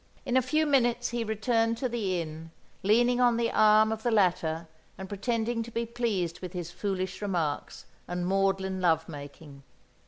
In a few minutes he returned to the inn leaning on the arm of the latter and pretending to be pleased with his foolish remarks and maudlin love making.